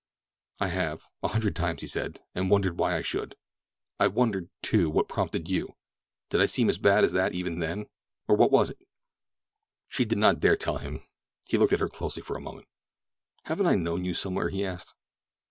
"I have, a hundred times," he said. "And wondered why I should. I've wondered, too, what prompted you—did I seem as bad as that even then—or what was it?" She did not dare tell him. He looked at her closely for a moment. "Haven't I known you somewhere?" he asked.